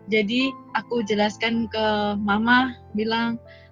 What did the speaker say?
jadi aku jelaskan ke mama bilang